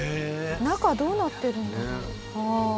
中どうなってるんだろう？